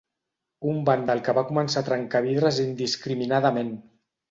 Un vàndal que va començar a trencar vidres indiscriminadament.